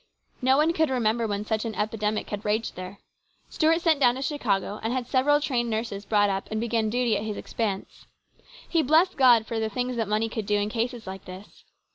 No one could remember when such an epidemic had raged there. Stuart sent down to Chicago and had several trained nurses brought up and begin duty at his expense. He blessed God for the things that money could do in cases like this.